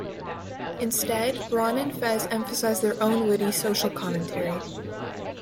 Instead, Ron and Fez emphasized their own witty social commentary.